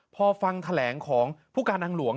พอฟังแถลงของผู้การทางหลวง